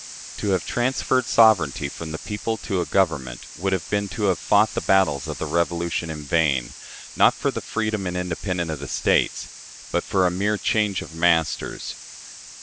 To have transferred sovereignty from the people to a Government would have been to have fought the battles of the Revolution in vain not for the freedom and independence of the States, but for a mere change of masters.